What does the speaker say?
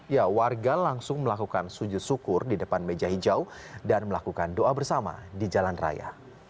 ya warga langsung melakukan sujud syukur di depan meja hijau dan melakukan doa bersama di jalan raya